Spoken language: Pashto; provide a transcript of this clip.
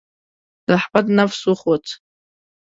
د احمد نفس وخوت.